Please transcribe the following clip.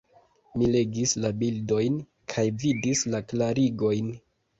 Mi legis la bildojn, kaj vidis la klarigojn.